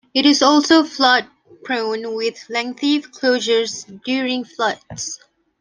It is also flood-prone with lengthy closures during floods.